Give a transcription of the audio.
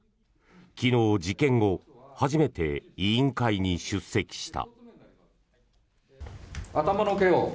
昨日、事件後初めて委員会に出席した。